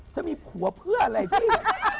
จะมีผัวเพื่ออะไรพี่